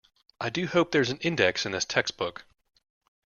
I do hope there's an index in this textbook.